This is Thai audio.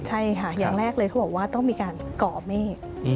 ใช่ค่ะอย่างแรกเลยเขาบอกว่าต้องมีการก่อเมฆ